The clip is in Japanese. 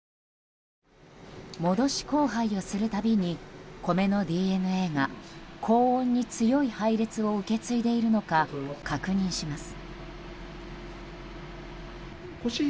戻し交配をする度に米のＤＮＡが高温に強い配列を受け継いでいるのか確認します。